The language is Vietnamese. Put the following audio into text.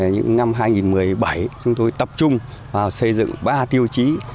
những năm hai nghìn một mươi bảy chúng tôi tập trung vào xây dựng ba tiêu chí